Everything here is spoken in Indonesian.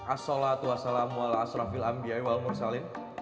assalatu wassalamu ala asrafil ambiyai wal mursalin